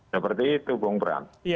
seperti itu bung bram